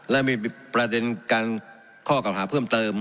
และมีประเด็นการข้อเก่าหาเพิ่มเติม